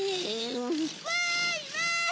・わいわい！